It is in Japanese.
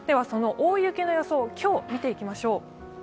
その大雪の予想、今日を見ていきましょう。